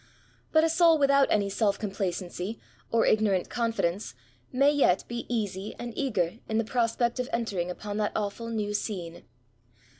But a soul without any self complacency, or ignorant confi dence, may yet be easy and eager in the prospect of entering upon that awfdl new scene.